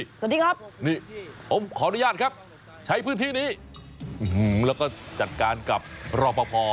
สวัสดีครับนี่ผมขออนุญาตครับใช้พื้นที่นี้แล้วก็จัดการกับรอปภ